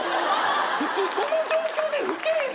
普通この状況でウケん！